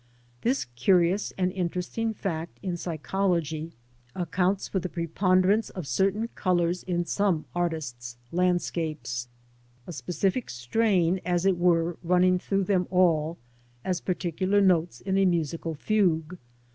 This curious and interesting fact in psychology accounts for the preponderance of certain colours in some artists' landscapes — a specific strain, as it were, running through them all, as particular notes in a musical fugue.